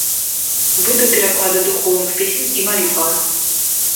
Выдаў пераклады духоўных песень і малітваў.